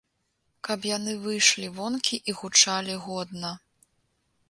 Каб яны выйшлі вонкі і гучалі годна.